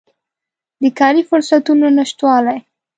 د کاري فرصتونو نشتوالی